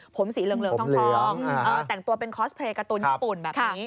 ผมสีเหลืองทองแต่งตัวเป็นคอสเพลย์การ์ตูนญี่ปุ่นแบบนี้